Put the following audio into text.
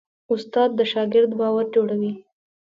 استاد د شاګرد باور جوړوي.